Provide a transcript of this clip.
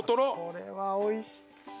これはおいしい。